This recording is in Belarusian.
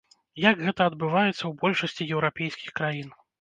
Як гэта адбываецца ў большасці еўрапейскіх краін.